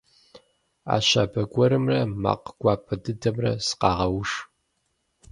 Ӏэ щабэ гуэрымрэ макъ гуапэ дыдэмрэ сыкъагъэуш.